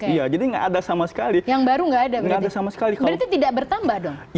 iya jadi ada sama sekali yang baru enggak ada sama sekali